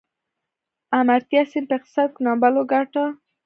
امرتیا سین په اقتصاد کې نوبل وګاټه.